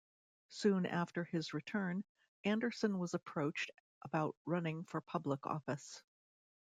Soon after his return, Anderson was approached about running for public office.